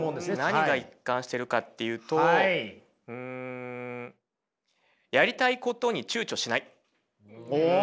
何が一貫してるかっていうとうんお！